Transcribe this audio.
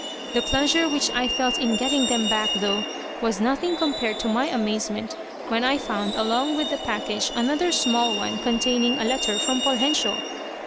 The pleasure which I felt in getting them back, though, was nothing compared to my amazement when I found along with the package another small one containing a letter from Poljensio.